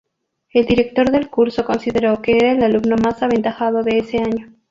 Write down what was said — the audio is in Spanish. El director del curso consideró que era el alumno más aventajado de ese año.